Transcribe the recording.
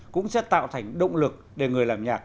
công chúng sẽ tạo thành động lực để người làm nhạc